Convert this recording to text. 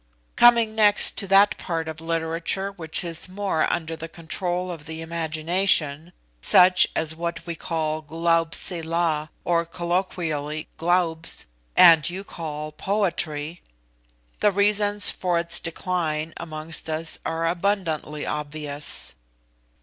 Coming next to that part of literature which is more under the control of the imagination, such as what we call Glaubsila, or colloquially 'Glaubs,' and you call poetry, the reasons for its decline amongst us are abundantly obvious.